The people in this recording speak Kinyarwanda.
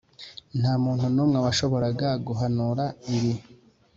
nta muntu n'umwe washoboraga guhanura ibi.